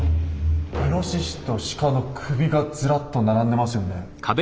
イノシシと鹿の首がずらっと並んでますよね。